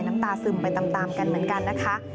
น้ำตาซึมไปตามกันเหมือนกันนะคะ